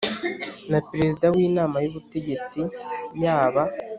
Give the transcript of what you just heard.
na Perezida w Inama y Ubutegetsi yaba